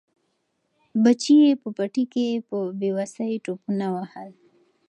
بچي یې په پټي کې په بې وسۍ ټوپونه وهل.